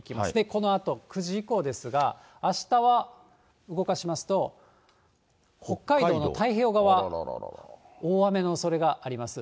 このあと９時以降ですが、あしたは動かしますと、北海道の太平洋側、大雨のおそれがあります。